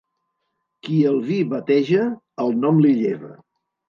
Qui el vi bateja el nom li lleva.